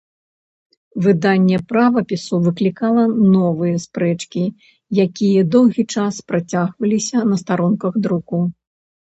Выданне правапісу выклікала новыя спрэчкі, якія доўгі час працягваліся на старонках друку.